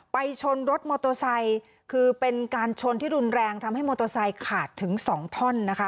ไปชนรถมอโตซัยคือเป็นการชนที่รุนแรงทำให้มอโตซัยขาดถึง๒ท่อนนะคะ